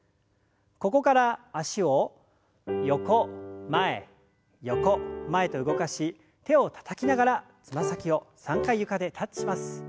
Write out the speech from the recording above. ここから脚を横前横前と動かし手をたたきながらつま先を３回床でタッチします。